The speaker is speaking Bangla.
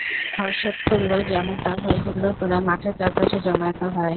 হর্ষোৎফুল্ল জনতা হৈ-হুল্লোড় করে মাঠের চারপাশে জমায়েত হয়।